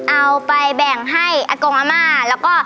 เอาไปแบ่งให้อากงอาม่าแล้วก็